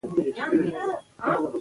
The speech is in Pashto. وادي د افغانانو د تفریح یوه وسیله ده.